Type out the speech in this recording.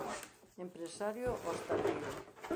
Empresario hostaleiro.